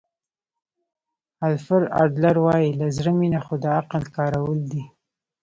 الفرډ اډلر وایي له زړه مینه خو د عقل کارول دي.